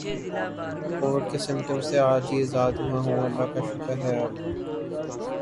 Covid کے symptoms تھے اج ہی ازاد ہوا ہوں اللہ کا شکر ہے اب